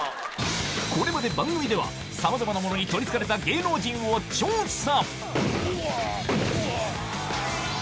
これまで番組ではさまざまなものに取り憑かれた芸能人を調査